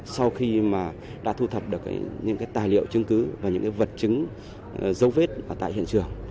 sau khi đã thu thập được những tài liệu chứng cứ và những vật chứng dấu vết ở tại hiện trường